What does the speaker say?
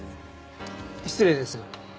失礼ですが。